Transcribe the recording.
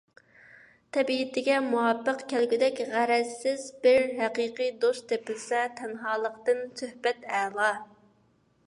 تەبىئىتىگە مۇۋاپىق كەلگۈدەك غەرەزسىز بىر ھەقىقىي دوست تېپىلسا، تەنھالىقتىن سۆھبەت ئەلا.